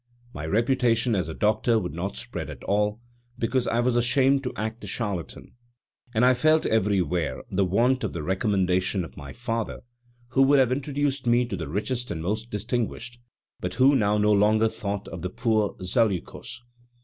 My reputation as doctor would not spread at all, because I was ashamed to act the charlatan; and I felt everywhere the want of the recommendation of my father, who would have introduced me to the richest and most distinguished, but who now no longer thought of the poor Zaleukos!